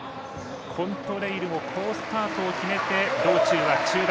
コントレイルも好スタートを決めて道中は中団。